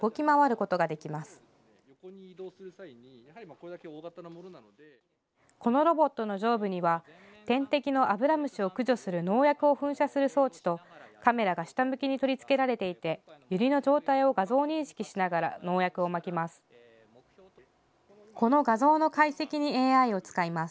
このロボットの上部には天敵のアブラムシを駆除する農薬を噴射する装置とカメラが下向きに取り付けられていてユリの状態を画像認識しながら農薬をまきます。